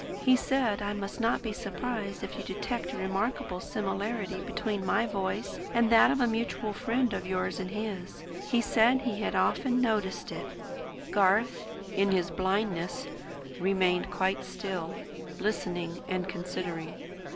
He said I must not be surprised if you detected a remarkable similarity between my voice and that of a mutual friend of yours and his. He said he had often noticed it." Garth, in his blindness, remained quite still; listening and considering.